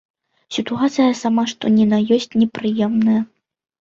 Сітуацыя самая што ні на ёсць непрыемная.